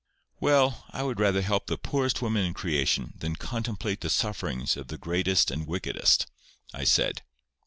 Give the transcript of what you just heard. "Well, I would rather help the poorest woman in creation, than contemplate the sufferings of the greatest and wickedest," I said.